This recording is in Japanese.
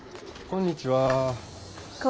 こんにちは。